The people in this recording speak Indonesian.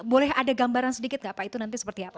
boleh ada gambaran sedikit nggak pak itu nanti seperti apa